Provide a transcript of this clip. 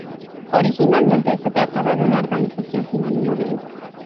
Originalmente se trataba de una organización sin ánimo de lucro.